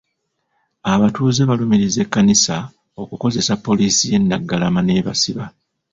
Abatuuze balumiriza Ekkanisa okukozesa poliisi y'e Naggalama ne babasiba.